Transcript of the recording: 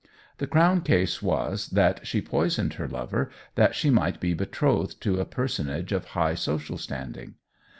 The Crown case was, that she poisoned her lover that she might be betrothed to a personage of high social standing.